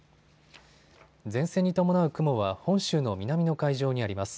前線に伴う雲は本州の南の海上にあります。